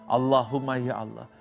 allahumma ya allah